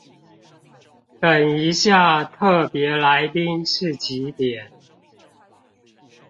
等一下特別來賓是幾點？